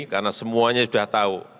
karena semuanya sudah tahu